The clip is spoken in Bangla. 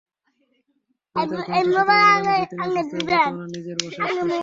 তবে তাঁর ঘনিষ্ঠ সূত্রগুলো জানিয়েছে, তিনি অসুস্থ হয়ে বর্তমানে নিজের বাসায় শয্যাশায়ী।